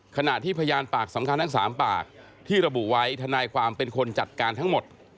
ขณะที่พยานปากสำคัญทั้ง๓ปากที่ระบุไว้ทนายความเป็นคนจัดการทั้งหมด